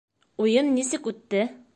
Уйын нисек үтте?